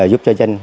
giúp cho dân